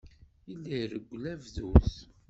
Yella ireggel abduz.